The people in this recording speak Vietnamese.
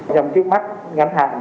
trong trước mắt ngãn hàng